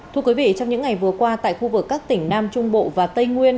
thưa quý vị trong những ngày vừa qua tại khu vực các tỉnh nam trung bộ và tây nguyên